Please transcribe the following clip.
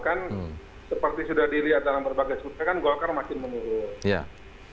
kan seperti sudah dilihat dalam berbagai survei kan golkar makin menurun